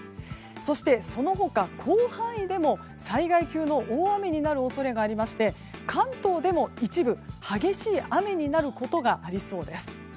そしてその他、広範囲でも災害級の大雨になる恐れがありまして関東でも一部、激しい雨になることがありそうです。